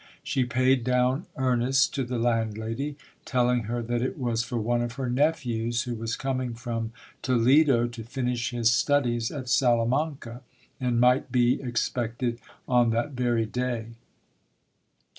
She paid down earnest to the landlady, telling her that it was for one of her nephews who was coming from Toledo to finish his studies at Salamanca, and might be ex pected on that very day.